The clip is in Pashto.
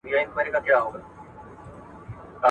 ماشوم په ډېرې بې باکۍ سره قرانشریف ته لاس کړ.